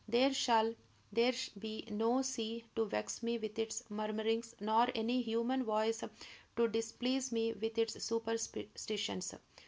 There shall there be no sea to vex me with its murmurings, nor any human voice to displease me with its superstitions."